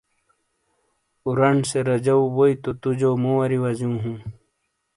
اورانڈ سے رجو ووئی تُو جو مُو واری وزیو ہوں۔